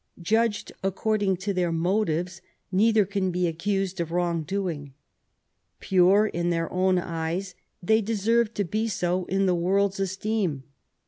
Judged according to their mo tives, neither can be accused of wrong doing. Pure in their own eyes, they deserve to be so in the world's esteem.